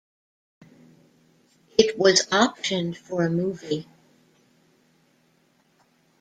It was optioned for a movie.